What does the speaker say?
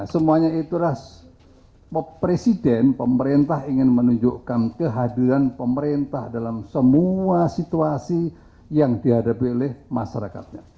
semuanya itulah presiden pemerintah ingin menunjukkan kehadiran pemerintah dalam semua situasi yang dihadapi oleh masyarakatnya